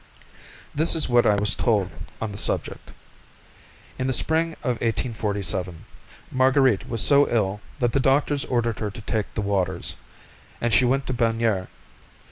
This is what I was told on the subject. In the spring of 1847 Marguerite was so ill that the doctors ordered her to take the waters, and she went to Bagnères.